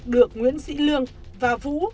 được nguyễn sĩ lương và vũ